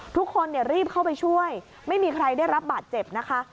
ทุกคนรีบเข้าไปช่วยไม่มีใครได้รับบาดเจ็บนะคะ